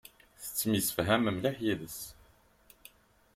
Tettemsefham mliḥ yid-s.